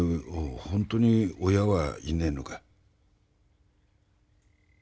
本当に親はいねえのかい？